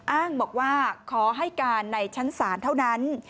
อ้างบอกว่าขอให้การในชั้นศาลเท่านั้น